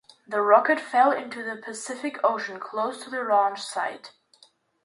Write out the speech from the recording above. The rocket fell into the Pacific Ocean close to the launch site.